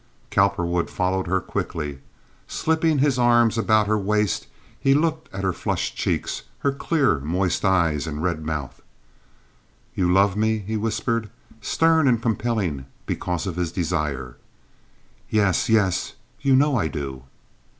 Cowperwood followed her quickly. Slipping his arms about her waist, he looked at her flushed cheeks, her clear, moist eyes and red mouth. "You love me?" he whispered, stern and compelling because of his desire. "Yes! Yes! You know I do."